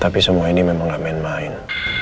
tapi semua ini memang gak main main